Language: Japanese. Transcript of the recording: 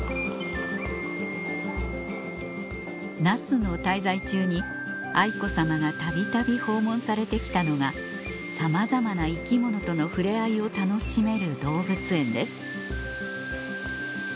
那須の滞在中に愛子さまがたびたび訪問されて来たのがさまざまな生き物との触れ合いを楽しめる動物園です